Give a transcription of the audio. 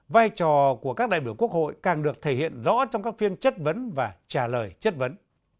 vai trò của các đại biểu quốc hội càng được thể hiện rõ trong các phiên chất vấn và trả lời chất vấn